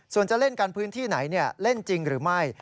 ส่วนจะเล่นกันพื้นที่ไหนเล่นจริงหรือไม่